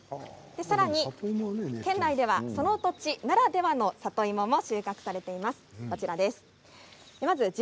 さらに県内ではその土地ならではの里芋も収穫されています。